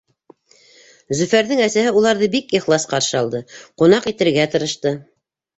Зөфәрҙең әсәһе уларҙы бик ихлас ҡаршы алды, ҡунаҡ итергә тырышты.